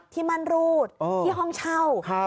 ที่มันรูดที่ห้องเช่าครับ